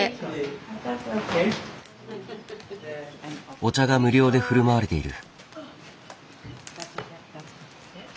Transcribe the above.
お茶が無料でふるまわれている。